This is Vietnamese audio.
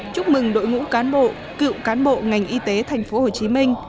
chúc mừng đội ngũ cán bộ cựu cán bộ ngành y tế tp hcm